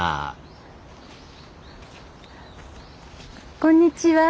こんにちは。